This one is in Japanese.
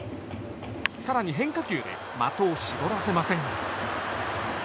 更に変化球で的を絞らせません。